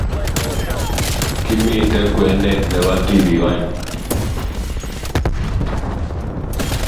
Kimito kwenet ne bo tibiik oeng